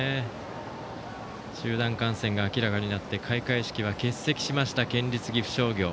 集団感染が明らかになって開会式は欠席しました県立岐阜商業。